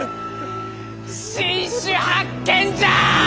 新種発見じゃ！